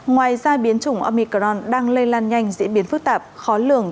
ngoài ra biến chủng omicron đang lây lan nhanh diễn biến phức tạp khó lường